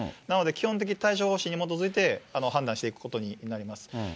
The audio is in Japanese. なので基本的対処方針に基づいて判断していくことになります。